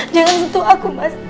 jangan sentuh aku mas